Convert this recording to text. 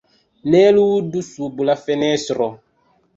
Ne ludu sub la fenestro!